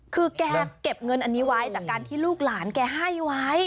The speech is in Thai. คือแกเก็บเงินอันนี้ไว้จากการที่ลูกหลานแกให้ไว้